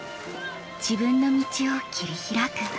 自分の道を切り開く。